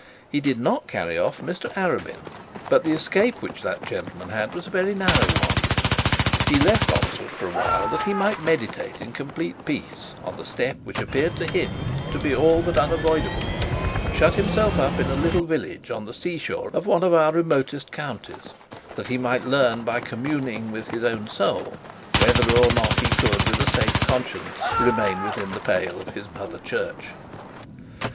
He did not carry off Mr Arabin, but the escape which that gentleman had was a very narrow one. He left Oxford for a while that he might meditate in complete peace on the step which appeared for him to be all but unavoidable, and shut himself up in a little village on the sea shore of one of our remotest counties, that he might learn by communing with his own soul whether or no he could with a safe conscience remain within the pale of his mother church.